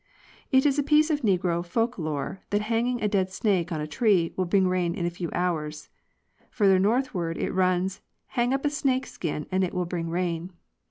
It is a piece of negro folk lore that hanging a dead snake on a tree will bring rain in a few hours. Further northward it runs " Hang up a snake skin and it will bring rain."